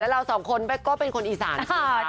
แล้วเราสองคนก็เป็นคนอีสานใช่ไหมครับ